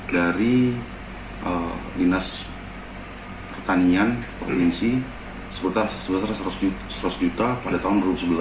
dari dinas pertanian provinsi sebesar seratus juta pada tahun dua ribu sebelas